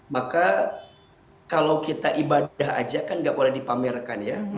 maka kalau kita ibadah aja kan nggak boleh dipamerkan ya